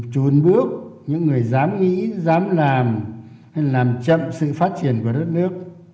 chuồn bước những người dám nghĩ dám làm hay làm chậm sự phát triển của đất nước